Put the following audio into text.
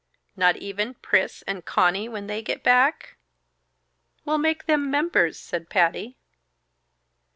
"Not even Pris and Conny when they get back?" "We'll make them members," said Patty.